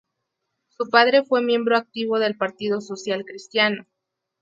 Su padre fue miembro activo del Partido Social Cristiano.